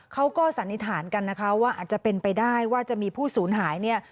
เขาก็สันนิษฐานกันว่าอาจจะเป็นไปได้ว่าจะมีผู้สุนหาย